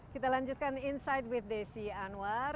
kita lanjutkan insight with desi anwar